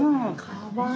かわいい！